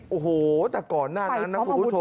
โอ้โหแต่ก่อนหน้านั้นนะคุณผู้ชม